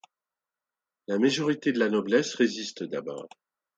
La majorité de la noblesse résiste d'abord.